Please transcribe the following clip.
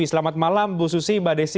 selamat malam bu susi mbak desi